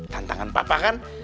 tantangan papa kan